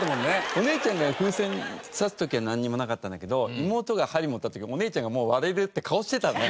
お姉ちゃんが風船刺す時はなんにもなかったんだけど妹が針持った時お姉ちゃんがもう「割れる」って顔してたね。